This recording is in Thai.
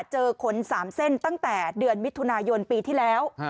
ขน๓เส้นตั้งแต่เดือนมิถุนายนปีที่แล้ว